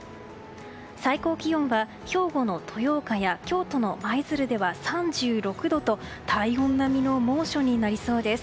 最高気温は兵庫の豊岡や京都の舞鶴では３６度と体温並みの猛暑になりそうです。